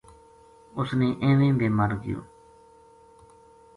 اس نے ایویں بے مر گیو